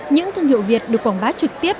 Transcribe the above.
những thương hiệu việt được quảng bá trực tiếp